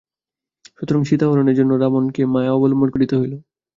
সুতরাং সীতাহরণের জন্য রাবণকে মায়া অবলম্বন করিতে হইল।